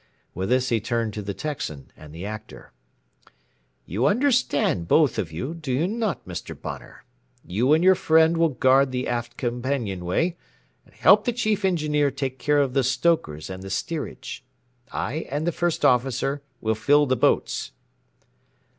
With this he turned to the Texan and the Actor: "You understand, both of you, do you not, Mr. Bonner? You and your friend will guard the aft companion way, and help the Chief Engineer take care of the stokers and the steerage. I and the First Officer will fill the boats."